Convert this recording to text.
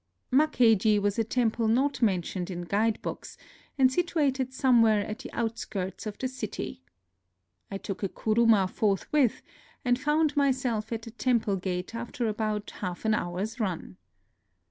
Mak keiji was a temple not mentioned in guide books, and situated somewhere at the outskirts of the city. I took a kuruma forthwith, and found myself at the temple gate after about half an hour's run.